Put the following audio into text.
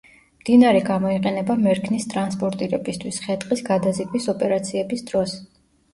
მდინარე გამოიყენება მერქნის ტრანსპორტირებისთვის ხე-ტყის გადაზიდვის ოპერაციების დროს.